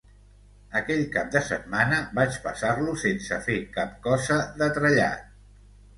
Aquell cap de setmana vaig passar-lo sense fer cap cosa de trellat.